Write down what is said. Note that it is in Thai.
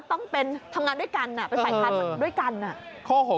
ต้องเป็นทำงานด้วยกันเป็นฝ่ายค้านด้วยกัน